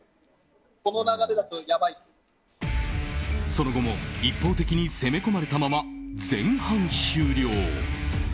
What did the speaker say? その後も、一方的に攻め込まれたまま前半終了。